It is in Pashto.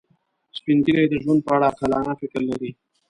سپین ږیری د ژوند په اړه عاقلانه فکر لري